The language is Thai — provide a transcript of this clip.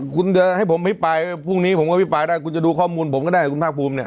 คุณจะให้ผมอภิปรายพรุ่งนี้ผมอภิปรายได้คุณจะดูข้อมูลผมก็ได้คุณภาคภูมิเนี่ย